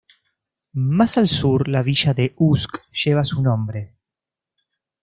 Más al sur la villa de Usk lleva su nombre.